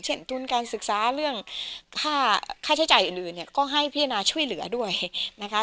ทุนการศึกษาเรื่องค่าใช้จ่ายอื่นเนี่ยก็ให้พิจารณาช่วยเหลือด้วยนะคะ